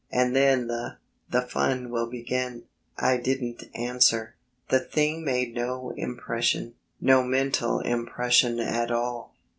And then the the fun will begin." I didn't answer. The thing made no impression no mental impression at all.